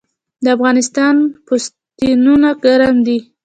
د افغانستان پوستینونه ګرم دي